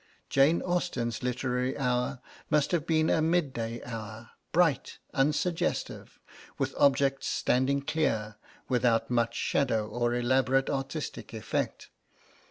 Jane Austen's literary hour must have been a midday hour: bright, unsuggestive, with objects standing clear, without much shadow or elaborate artistic effect.